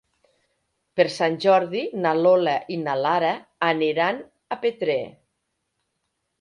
Per Sant Jordi na Lola i na Lara aniran a Petrer.